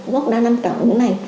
gốc đa năng cảm ứng này